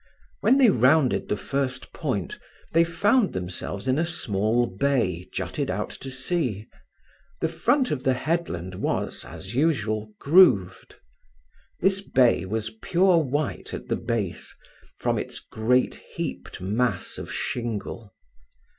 When they rounded the first point, they found themselves in a small bay jutted out to sea; the front of the headland was, as usual, grooved. This bay was pure white at the base, from its great heaped mass of shingle.